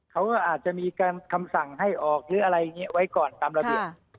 เขาก็อาจจะมีการคำสั่งให้ออกหรืออะไรอย่างนี้ไว้ก่อนตามระเบียบ